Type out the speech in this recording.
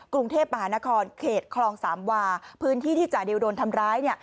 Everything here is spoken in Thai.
กรุงเทพมหานครเขตคลองสามวาพื้นที่ที่จ่าดิวโดนทำร้าย